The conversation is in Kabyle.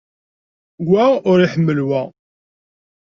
Wa ur iḥemmel wa.